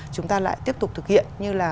chúng ta lại tiếp tục thực hiện như là